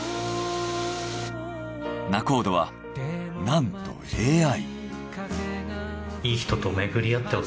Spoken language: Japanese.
仲人はなんとＡＩ。